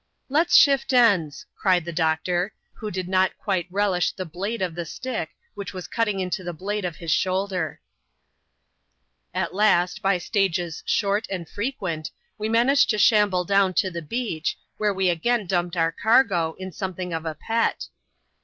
" Let's shift ends," cried the doctor, who did not quite relish the blade *of the stick, which was cutting into the blade of hi& shoulder. At last, by stages short and frequent, we managed to shamble down to the beach, where we again dumped our cargo, in some thing of a pet.